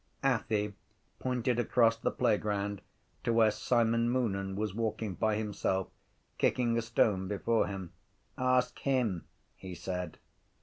Athy pointed across the playground to where Simon Moonan was walking by himself kicking a stone before him. —Ask him, he said.